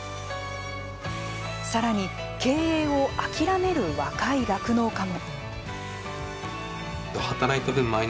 さらに経営をあきらめる若い酪農家も。